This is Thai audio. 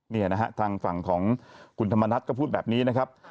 เนี่ยนะฮะทางฝั่งของคุณธรรมนัฐก็พูดแบบนี้นะครับ